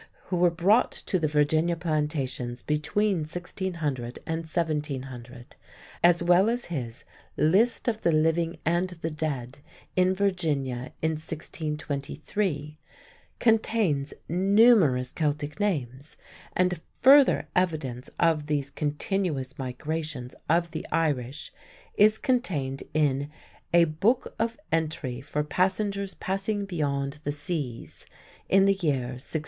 who were brought to the Virginia plantations between 1600 and 1700, as well as his "List of the Livinge and the Dead in Virginia in 1623," contains numerous Celtic names, and further evidence of these continuous migrations of the Irish is contained in "A Booke of Entrie for Passengers passing beyond the Seas", in the year 1632.